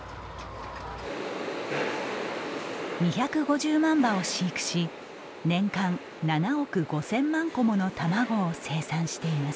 ２５０万羽を飼育し年間７億５，０００万個もの卵を生産しています。